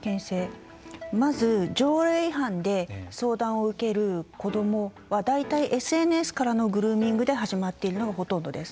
まず、条例違反で相談を受ける子どもは大体ＳＮＳからのグルーミングで始まっているのがほとんどです。